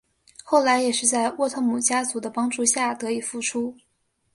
后来也是在沃特姆家族的帮助下得以复出。